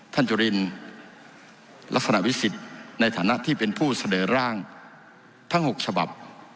จุรินลักษณะวิสิทธิ์ในฐานะที่เป็นผู้เสนอร่างทั้ง๖ฉบับ